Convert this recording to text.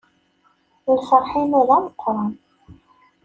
Lferḥ-inu d ameqqran.